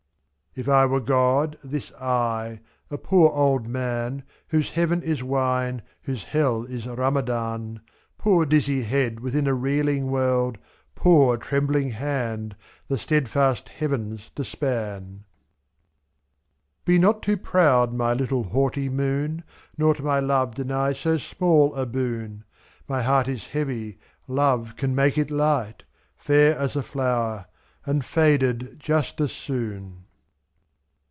If / were God ! this I !— a poor old man Whose heaven is wine, whose hell is Ramadan; 7/7. Poor dizzy head within a reeling world. Poor trembling hand — the steadfast heavens to span ! 56 Be not too proud^ my little haughty moony Nor to my love deny so small a boon; us. My heart is heavy, love can make it light— Fair as a flower — and faded just as soon!